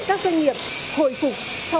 và các doanh nghiệp hồi phục